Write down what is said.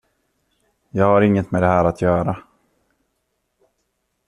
Jag har inget med det här att göra.